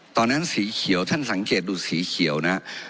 สีเขียวท่านสังเกตดูสีเขียวนะ